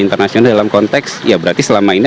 internasional dalam konteks ya berarti selama ini